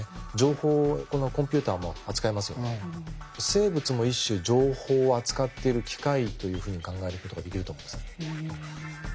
生物も一種情報を扱っている機械というふうに考えることができると思うんですね。